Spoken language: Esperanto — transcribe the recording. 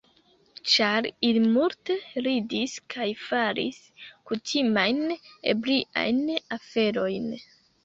Ĉar ili multe ridis kaj faris kutimajn ebriajn aferojn.